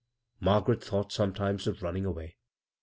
Margaret thought sometimes of running away.